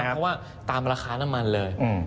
เพราะว่าตามราคาน้ำมันเลย